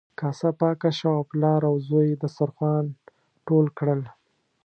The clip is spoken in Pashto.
کاسه پاکه شوه او پلار او زوی دسترخوان ټول کړل.